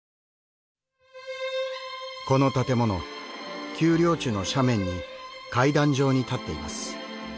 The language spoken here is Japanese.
この建物丘陵地の斜面に階段状に建っています。